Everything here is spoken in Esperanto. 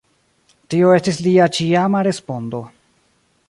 Tio estis lia ĉiama respondo.